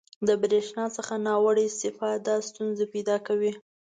• د برېښنا څخه ناوړه استفاده ستونزې پیدا کوي.